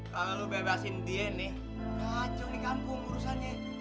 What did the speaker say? kalau lo bebasin dia nih kacau di kampung urusannya